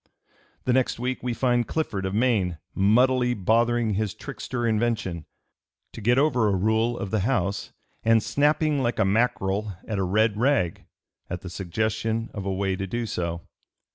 The next week we find Clifford, of Maine, "muddily bothering his trickster invention" to get over a rule of the House, and "snapping like a mackerel at a red rag" at the suggestion of a way to do so.